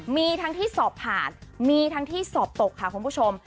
มีทั้งที่สอบผ่านมีทั้งที่สอบตกค่ะคุณผู้ชม